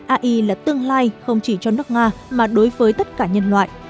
ai là tương lai không chỉ cho nước nga mà đối với tất cả nhân loại